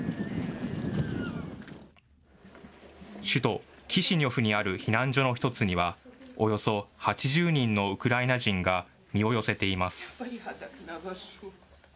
首都キシニョフにある避難所の一つには、およそ８０人のウクライナ人が身を寄せています。